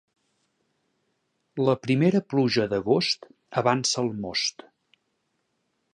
La primera pluja d'agost avança el most.